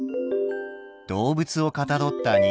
動物をかたどった人形。